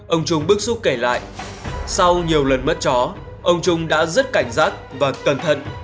ông trung bức xúc kể lại sau nhiều lần mất chó ông trung đã rất cảnh giác và cẩn thận